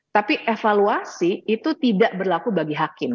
tapi evaluasi itu tidak berlaku bagi hakim